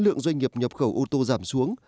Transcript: lượng doanh nghiệp nhập khẩu ô tô giảm xuống